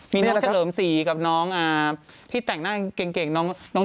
มีน้องเท้าเหลม๔๐กับน้องที่แต่งหน้าเก่ง